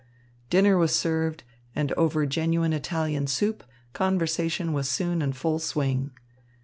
Dinner was served, and over genuine Italian soup, conversation was soon in full swing.